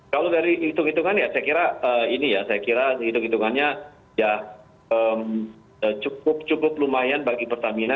kalau dari hitung hitungan ya saya kira ini ya saya kira hitung hitungannya ya cukup cukup lumayan bagi pertamina